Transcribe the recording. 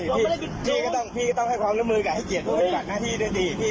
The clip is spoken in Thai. ผมไม่ได้อุ้มพี่ไม่ให้ความร่วมลืมมือเลยเพราะพี่ก็เบาไหว